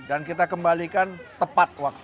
dan kita kembalikan tepat waktu